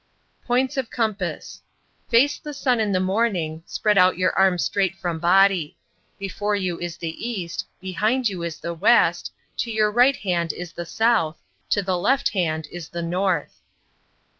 Points of Compass Face the sun in the morning, spread out your arms straight from body. Before you is the east; behind you is the west; to your right hand is the south; to the left hand is the north.